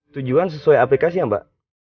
tujuan sesuai aplikasi ya mbak